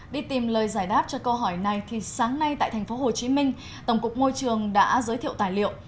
đi tìm lời giải đáp cho câu hỏi này thì sáng nay tại tp hcm tổng cục môi trường đã giới thiệu tài liệu